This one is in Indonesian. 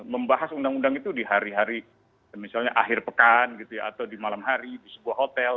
membahas undang undang itu di hari hari misalnya akhir pekan gitu ya atau di malam hari di sebuah hotel